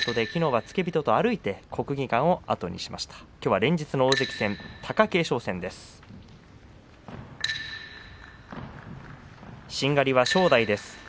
きょうは連日の大関戦貴景勝戦です。